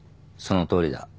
そのとおりだ。